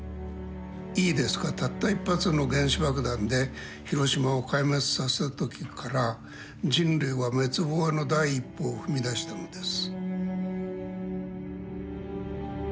「いいですかたった一発の原子爆弾で広島を壊滅させたときから人類は滅亡の第一歩を踏み出したのです」。